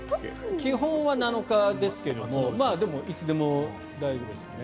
基本は７日ですがでも、いつでも大丈夫ですよね。